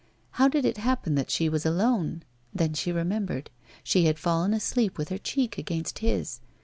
How did it happen that she was alone? Then she remembered: she had fallen asleep with her cheek against his.